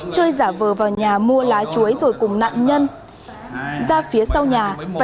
chơi giả vờ vào nhà mua lá chuối rồi cùng nạn nhân ra phía sau nhà